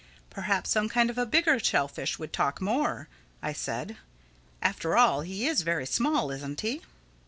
"Perhaps some kind of a bigger shellfish would talk more," I said. "After all, he is very small, isn't he?"